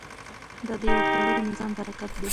دا د یو پیاوړي نظام برکت دی.